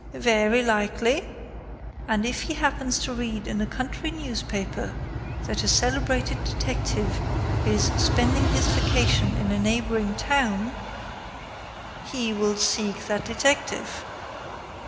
"Very likely." "And if he happens to read in a country newspaper that a celebrated detective is spending his vacation in a neighboring town " "He will seek that detective."